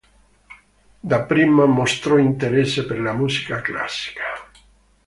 Dapprima mostrò interesse per la musica classica.